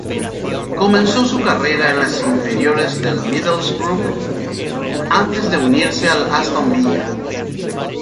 Comenzó su carrera en las inferiores del Middlesbrough antes de unirse al Aston Villa.